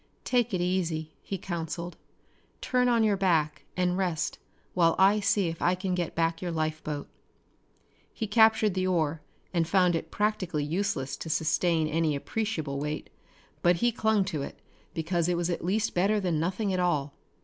"Take it easy," he counseled. "Turn on your back and rest while I see if I can get back your life boat." He captured the oar, and found it practically useless to sustain any appreciable weight, but he clung to it because it was at least better than nothing at all.